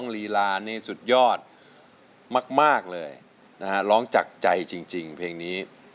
ร้องจากใจจริงเพลงนี้